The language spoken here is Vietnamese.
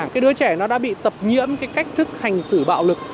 cái đứa trẻ nó đã bị tập nhiễm cái cách thức hành xử bạo lực